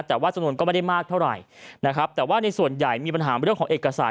แต่ว่าจำนวนก็ไม่ได้มากเท่าไหร่นะครับแต่ว่าในส่วนใหญ่มีปัญหาเรื่องของเอกสาร